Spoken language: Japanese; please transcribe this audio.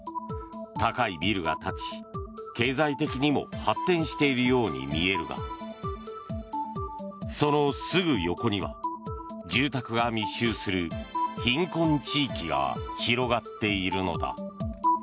高いビルが建ち、経済的にも発展しているようにも見えるがそのすぐ横には住宅が密集する貧困地域が広がっているのだ。